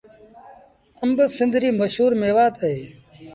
آݩب سنڌ ريٚ مشهور ميوآت اهي۔